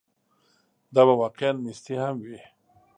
دا به واقعاً نیستي هم وي.